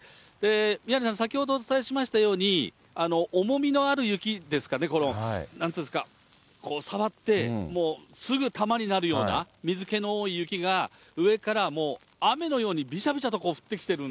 宮根さん、先ほどお伝えしましたように、重みのある雪ですかね、なんていうんですか、触ってもう、すぐ玉になるような、水けの多い雪が上からもう雨のようにびしゃびしゃと降ってきてる